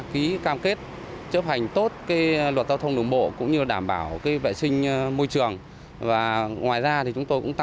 kiểm soát các phương án giao thông đường bộ đảm bảo vệ sinh môi trường